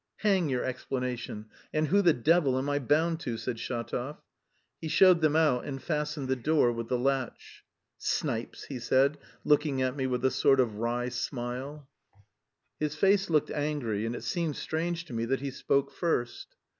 "Hang your explanation, and who the devil am I bound to?" said Shatov. He showed them out and fastened the door with the latch. "Snipes!" he said, looking at me, with a sort of wry smile. His face looked angry, and it seemed strange to me that he spoke first.